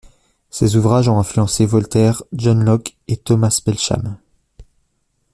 Ses ouvrages ont influencé Voltaire, John Locke et Thomas Belsham.